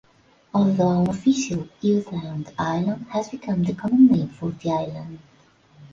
Although unofficial, U Thant Island has become the common name for the island.